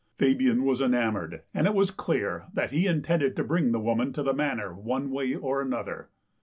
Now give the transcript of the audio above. Fabian was enamoured, and it was clear that he intended to bring the woman to the Manor one way or another.